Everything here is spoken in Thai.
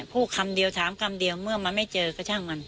พูดคำเดียวถามคำเดียวเมื่อมันไม่เจอก็ช่างมัน